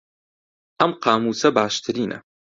ئەم قامووسە باشترینە.